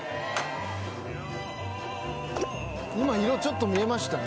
今色ちょっと見えましたね